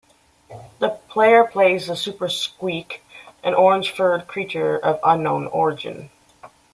The player plays the Super Skweek, an orange-furred creature of unknown origin.